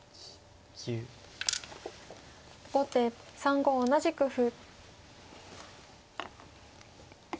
後手３五同じく歩。